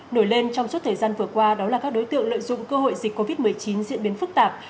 nổi lên trong suốt thời gian vừa qua đó là các đối tượng lợi dụng cơ hội dịch covid một mươi chín diễn biến phức tạp